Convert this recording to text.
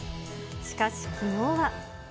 しかし、きのうは。